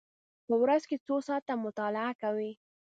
په ورځ کې څو ساعته مطالعه کوئ؟